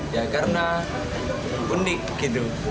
ya karena unik gitu